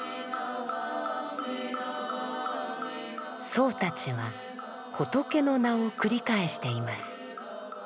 僧たちは仏の名を繰り返しています。